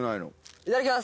いただきやす。